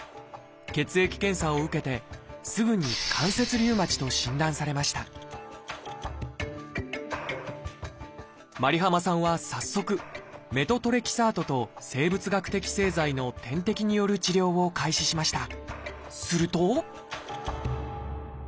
血液検査を受けてすぐに「関節リウマチ」と診断されましたｍａｒｉｈａｍａさんは早速メトトレキサートと生物学的製剤の点滴による治療を開始しました。